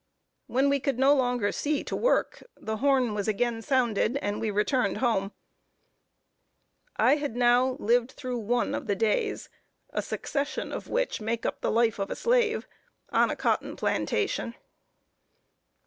When we could no longer see to work, the horn was again sounded, and we returned home. I had now lived through one of the days a succession of which make up the life of a slave on a cotton plantation.